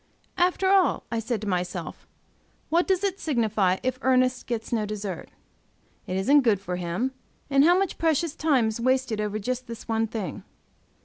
"After all," I said to myself, "what does it signify, if Ernest gets no dessert? It isn't good for him, and how much precious time is wasted over just this one thing?"